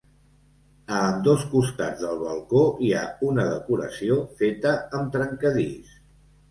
A ambdós costats del balcó hi ha una decoració feta amb trencadís.